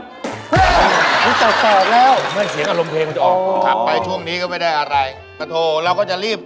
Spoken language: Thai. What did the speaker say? ไฟยังไม่แดงเต็มที่หรอกมันแค่เหลืองอ่อน